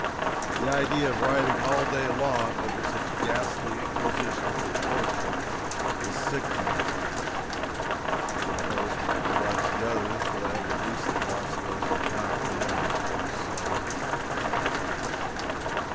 The idea of riding all day long over such ghastly inquisitions of torture is sickening. My horse must be like the others, but I have at least the consolation of not knowing it to be so.